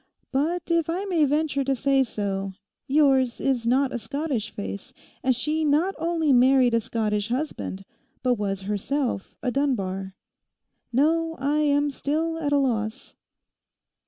But, if I may venture to say so, yours is not a Scottish face; and she not only married a Scottish husband, but was herself a Dunbar. No, I am still at a loss.